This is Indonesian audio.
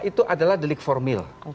itu adalah delik formil